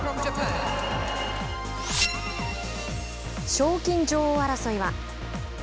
賞金女王争いは。